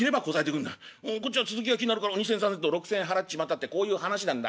こっちは続きが気になるから２銭３銭と６銭払っちまったってこういう話なんだ。